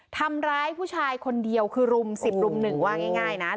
ทำร้ายผู้ชายคนเดียวคือรุม๑๐รุม๑ว่าง่ายนะ